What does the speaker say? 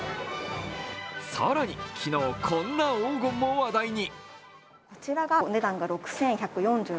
更に昨日、こんな黄金も話題に。